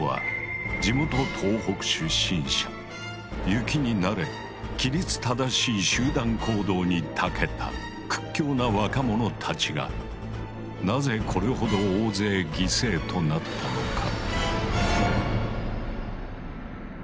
雪に慣れ規律正しい集団行動にたけた屈強な若者たちがなぜこれほど大勢犠牲となったのか？